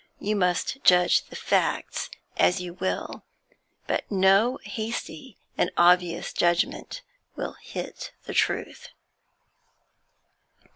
You must judge the facts as you will, but no hasty and obvious judgment will hit the truth.'